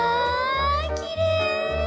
きれい！